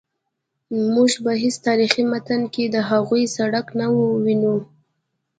موږ په هیڅ تاریخي متن کې د هغوی څرک نه وینو.